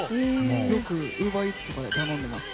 よくウーバーイーツとかで頼んでます。